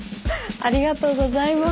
ありがとうございます。